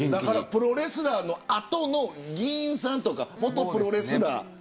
プロレスラーの後の議員さんとか元プロレスラー。